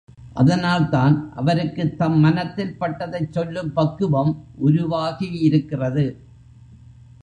அதனால்தான், அவருக்குத் தம் மனத்தில் பட்டதைச் சொல்லும் பக்குவம் உருவாகியிருக்கிறது.